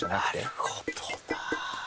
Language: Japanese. なるほどな。